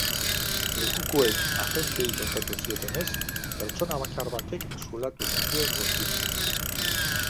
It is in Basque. Lekukoek agenteei kontatu zietenez, pertsona bakar batek zulatu zituen gurpilak.